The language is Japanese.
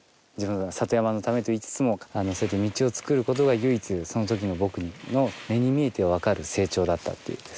里山のためと言いつつもそうやって道を作ることが唯一そのときの僕の目に見えてわかる成長だったっていう。